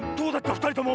ふたりとも。